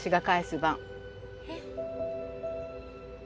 えっ？